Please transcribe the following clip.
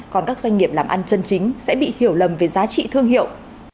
còn các doanh nghiệp làm ăn chân chính sẽ bị hiểu lầm về giá trị thương hiệu